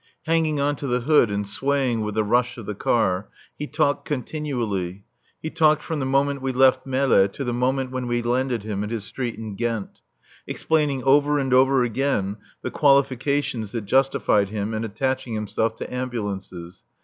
Hanging on to the hood and swaying with the rush of the car, he talked continually. He talked from the moment we left Melle to the moment when we landed him at his street in Ghent; explaining over and over again the qualifications that justified him in attaching himself to ambulances.